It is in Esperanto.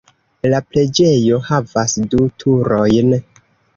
La preĝejo havas du turojn.